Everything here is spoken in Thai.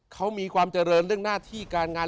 เขามีความเจริญเรื่องหน้าที่การงาน